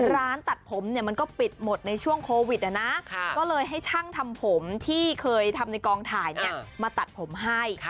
ร้านตัดผมเนี่ยมันก็ปิดหมดในช่วงโควิดนะนะก็เลยให้ช่างทำผมที่เคยทำในกองถ่ายมาตัดผมให้